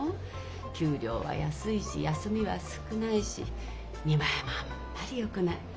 給料は安いし休みは少ないし見栄えもあんまりよくない。